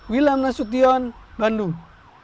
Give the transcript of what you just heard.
wilham nasution bandung